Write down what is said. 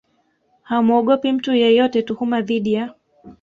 hamuogopi mtu yeyote Tuhuma dhidi ya